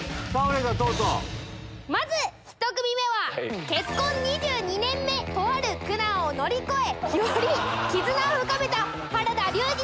まず１組目は結婚２２年目とある苦難を乗り越えより絆を深めた。